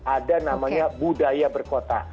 ada namanya budaya berkota